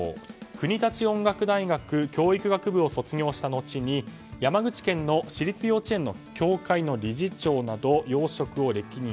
国立音楽大学教育学部を卒業した後に山口県の私立幼稚園の協会の理事長など要職を歴任。